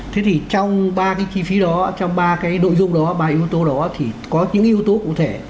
thế thì trong ba cái chi phí đó trong ba cái nội dung đó ba yếu tố đó thì có những yếu tố cụ thể